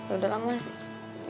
udah lama sih